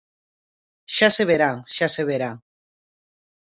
Xa se verá, xa se verá.